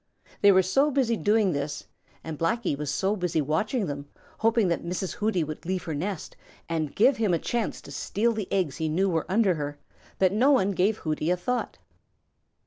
They were so busy doing this, and Blacky was so busy watching them, hoping that Mrs. Hooty would leave her nest and give him a chance to steal the eggs he knew were under her, that no one gave Hooty a thought.